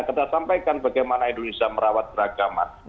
kita sampaikan bagaimana indonesia merawat beragama